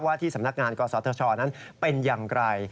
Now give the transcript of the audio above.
ที่สำนักงานกศธชนั้นเป็นอย่างไร